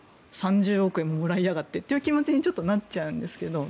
３０億円ももらいやがってという気持ちにちょっとなっちゃうんですけど。